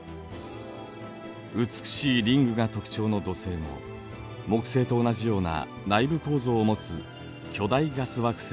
美しいリングが特徴の土星も木星と同じような内部構造を持つ巨大ガス惑星です。